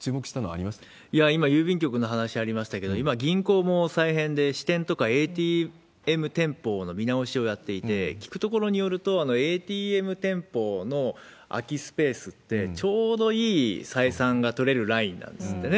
いや、今、郵便局の話ありましたけど、今、銀行も再編で、支店とかＡＴＭ店舗の見直しをやっていて、聞くところによると、ＡＴＭ店舗の空きスペースって、ちょうどいい採算が取れるラインなんですってね。